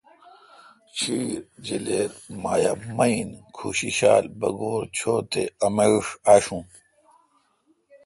ڄھیر، جلیر، مایع، میین، کھو ݭیݭال، بگورڄھوت تے امیݭ اشون۔